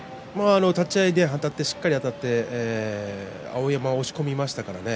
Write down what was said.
立ち合いしっかりあたって碧山を押し込みましたからね。